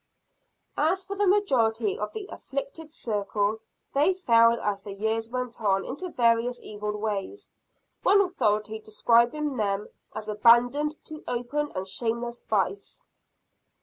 As for the majority of the "afflicted circle," they fell as the years went on into various evil ways one authority describing them as "abandoned to open and shameless vice."